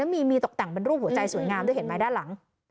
มีตกแต่งเป็นรูปหัวใจสวยงามด้วยเห็นไหมด้านหลัง